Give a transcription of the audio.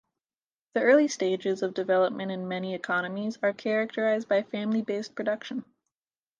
The early stages of development in many economies are characterized by family based production.